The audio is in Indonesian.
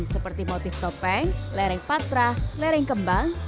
seperti motif topeng lereng patra lereng kembang